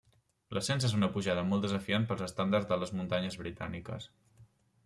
L'ascens és una pujada molt desafiant per als estàndards de les muntanyes britàniques.